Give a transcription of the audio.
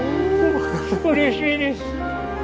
うれしいです。